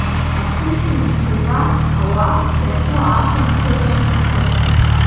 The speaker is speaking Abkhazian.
Аԥҳәыс мцура ауааҳәцәа рхәы аахәан дцеит амхахьы.